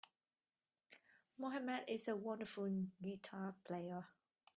Mohammed is a wonderful guitar player.